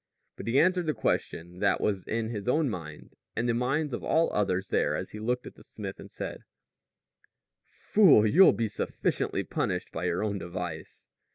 But he answered the question that was in his own mind and the minds of all the others there as he looked at the smith and said: "Fool, you'll be sufficiently punished by your own device."